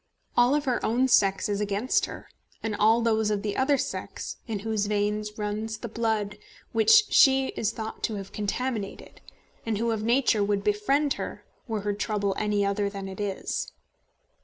All her own sex is against her, and all those of the other sex in whose veins runs the blood which she is thought to have contaminated, and who, of nature, would befriend her, were her trouble any other than it is.